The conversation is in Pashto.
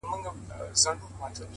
د حقیقت رڼا د فریب پردې څیروي،